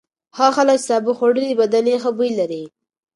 هغه خلک چې سابه خوړلي بدن یې ښه بوی لري.